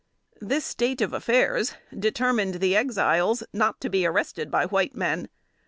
This state of affairs determined the Exiles not to be arrested by white men.